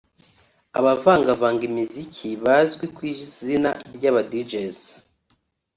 abavangavanga imiziki bazwi ku izina ry’aba djs